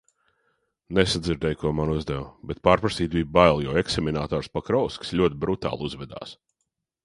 Nesadzirdēju, ko man uzdeva, bet pārprasīt bija bail, jo eksaminators Pokrovskis ļoti brutāli uzvedās.